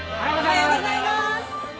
おはようございます。